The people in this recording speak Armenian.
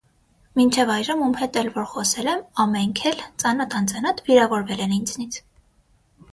- Մինչև այժմ ում հետ էլ որ խոսել եմ, ամենք էլ, ծանոթ-անծանոթ, վիրավորվել են ինձնից: